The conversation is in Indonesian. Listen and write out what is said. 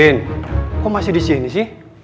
vin kok masih disini sih